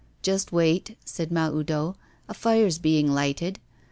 'Just wait,' said Mahoudeau, 'a fire's being lighted.